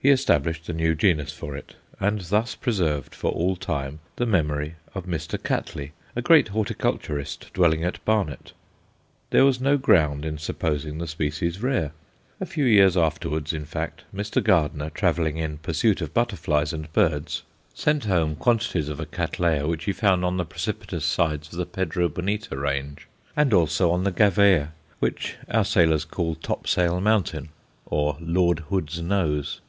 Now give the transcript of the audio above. He established a new genus for it, and thus preserved for all time the memory of Mr. Cattley, a great horticulturist dwelling at Barnet. There was no ground in supposing the species rare. A few years afterwards, in fact, Mr. Gardner, travelling in pursuit of butterflies and birds, sent home quantities of a Cattleya which he found on the precipitous sides of the Pedro Bonita range, and also on the Gavea, which our sailors call "Topsail" Mountain, or "Lord Hood's Nose."